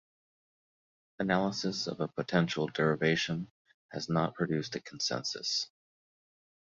Analysis of a potential derivation has not produced a consensus.